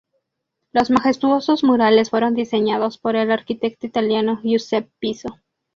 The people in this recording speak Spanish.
Los majestuosos murales fueron diseñados por el arquitecto italiano Giuseppe Pizzo.